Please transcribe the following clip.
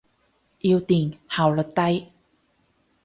要電，效率低。